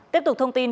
tiếp tục thông tin